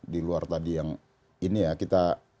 di luar tadi yang ini ya kita